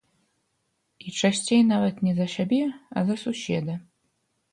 І часцей нават не за сябе, а за суседа.